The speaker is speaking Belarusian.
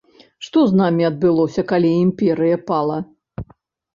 Што з намі адбылося, калі імперыя пала?